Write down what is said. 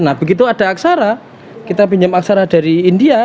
nah begitu ada aksara kita pinjam aksara dari india